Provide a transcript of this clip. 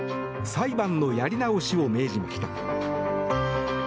裁判のやり直しを命じました。